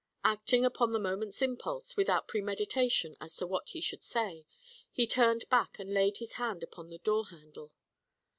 Acting upon the moment's impulse, without premeditation as to what he should say, he turned back and laid his hand upon the door handle.